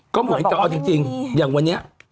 ก็หมายความจำเป็นจริงอย่างวันนี้